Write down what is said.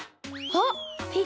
あっ！